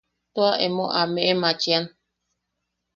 Tua emo a meʼemachian.